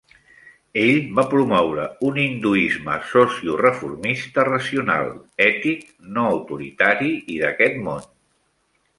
Ell va promoure un hinduisme socioreformista racional, ètic, no autoritari i d'aquest món.